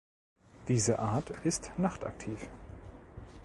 Diese Art ist nachtaktiv.